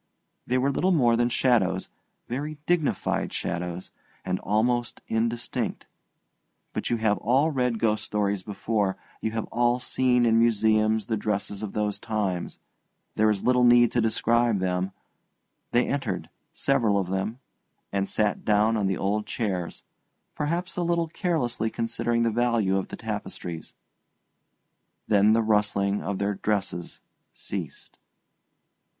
They were little more than shadows very dignified shadows, and almost indistinct; but you have all read ghost stories before, you have all seen in museums the dresses of those times there is little need to describe them; they entered, several of them, and sat down on the old chairs, perhaps a little carelessly considering the value of the tapestries. Then the rustling of their dresses ceased.